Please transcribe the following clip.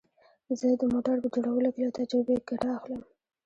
زه د موټرو په جوړولو کې له تجربې ګټه اخلم